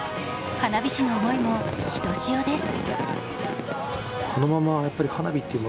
花火師の思いもひとしおです。